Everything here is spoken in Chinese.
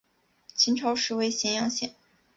秦朝时为咸阳县。